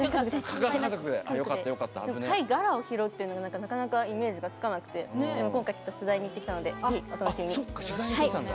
貝殻を拾うっていうのはなかなかイメージがつかなくて今回、取材に行ってきたのでぜひお楽しみに。